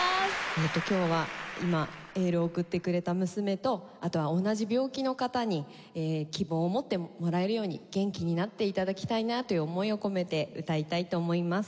今日は今エールを送ってくれた娘とあとは同じ病気の方に希望を持ってもらえるように元気になって頂きたいなという思いを込めて歌いたいと思います。